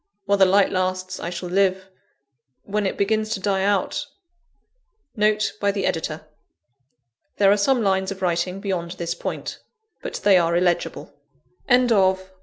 While the light lasts, I shall live; when it begins to die out * NOTE BY THE EDITOR. * There are some lines of writing beyond this point; but they are illegible. LETTERS IN CONCLUSION.